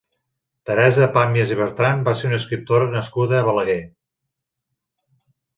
Teresa Pàmies i Bertran va ser una escriptora nascuda a Balaguer.